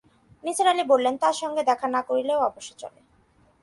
নিসার আলি বললেন, তাঁর সঙ্গে দেখা না করলেও অবশ্যি চলে।